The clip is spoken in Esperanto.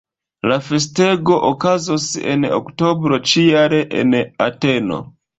La festego okazos en oktobro ĉi-jare en Ateno.